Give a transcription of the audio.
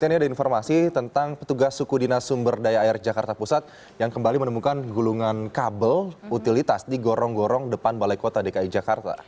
ini ada informasi tentang petugas suku dinas sumber daya air jakarta pusat yang kembali menemukan gulungan kabel utilitas di gorong gorong depan balai kota dki jakarta